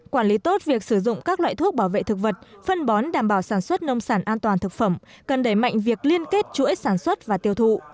quản lý tốt việc sử dụng các loại thuốc bảo vệ thực vật phân bón đảm bảo sản xuất nông sản an toàn thực phẩm cần đẩy mạnh việc liên kết chuỗi sản xuất và tiêu thụ